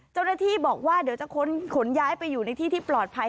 เจ้าหน้าที่บอกว่าเดี๋ยวจะขนย้ายไปอยู่ในที่ที่ปลอดภัย